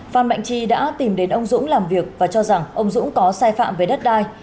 phan mạnh chi đã tìm đến ông dũng làm việc và cho rằng ông dũng có sai phạm về đất đai